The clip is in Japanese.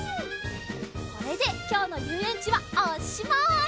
これできょうのゆうえんちはおしまい！